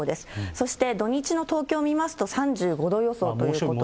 そして土日の東京見ますと、３５度予想ということで。